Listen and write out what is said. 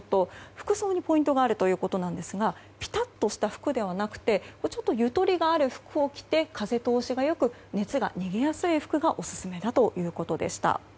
服装にポイントがあるということですがぴたっとした服ではなくて少しゆとりがある服を着て風通しがよく、熱が逃げやすい服がオススメだということでした。